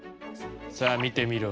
さあ見てみろ。